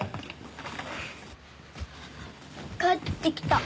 ・・帰ってきた。